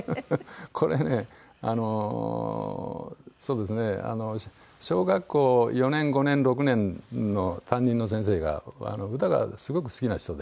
これねそうですね小学校４年５年６年の担任の先生が歌がすごく好きな人で。